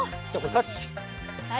タッチ。